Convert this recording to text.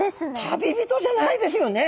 旅人じゃないですよね。